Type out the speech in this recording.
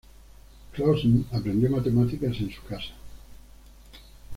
Clausen aprendió matemáticas en su casa.